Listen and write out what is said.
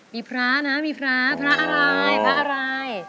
มีพระนะพระอะไร